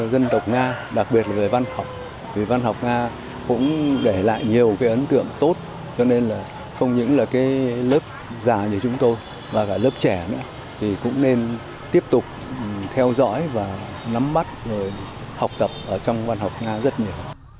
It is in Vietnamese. văn học nga đặc biệt là về văn học vì văn học nga cũng để lại nhiều cái ấn tượng tốt cho nên là không những là cái lớp già như chúng tôi và cả lớp trẻ nữa thì cũng nên tiếp tục theo dõi và nắm mắt người học tập ở trong văn học nga rất nhiều